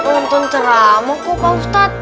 nonton ceramah kok kak ustadz